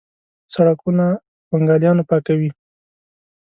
سړکونه په بنګالیانو پاکوي.